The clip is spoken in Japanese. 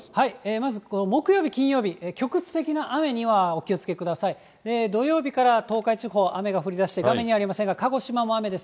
まず木曜日、金曜日、局地的な雨にはおきをつけください土曜日から東海地方、雨が降りだして、画面にはありませんが、鹿児島も雨です。